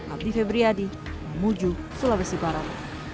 abdi febriyadi mamuju sulawesi barat